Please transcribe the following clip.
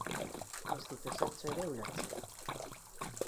Ez dut ezertxo ere ulertzen.